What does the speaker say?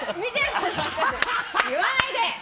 言わないで！